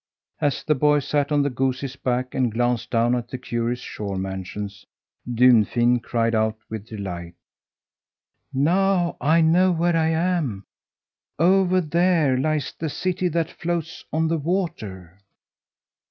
As the boy sat on the goose's back and glanced down at the curious shore mansions, Dunfin cried out with delight: "Now I know where I am! Over there lies the City that Floats on the Water."